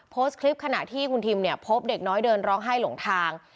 โพสต์คลิปขณะที่คุณทิมเนี่ยพบเด็กน้อยเดินร้องไห้หลงทาง